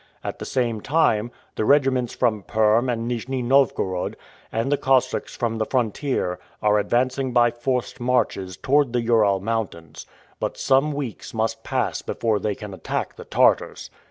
At the same time, the regiments from Perm and Nijni Novgorod, and the Cossacks from the frontier, are advancing by forced marches towards the Ural Mountains; but some weeks must pass before they can attack the Tartars."